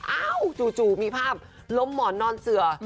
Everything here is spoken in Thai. อ้าวจู่มีภาพล้มหมอนนอนเสือ